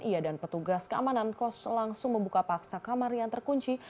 ia dan petugas keamanan kos langsung membuka paksa kamar yang terkunci